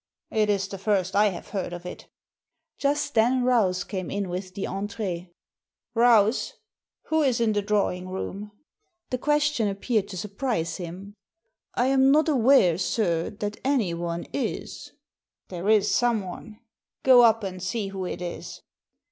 It is the first I have heard of it" Just then Rouse came in with the entree. Rouse, who is in the drawing room ?" The question appeared to surprise him. •" I am not aware, sir, that anyone is." There is someone. Go up, and see who it is."